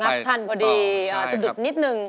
ทันพอดีสะดุดนิดนึง